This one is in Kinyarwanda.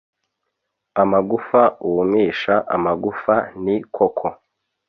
amagufa wumisha amagufa ni koko